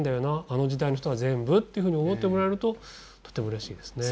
あの時代の人は全部」というふうに思ってもらえるととてもうれしいですね。